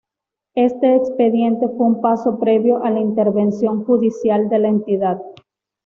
Este expediente fue un paso previo a la intervención judicial de la entidad.